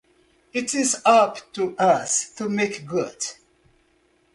It is up to us to make good.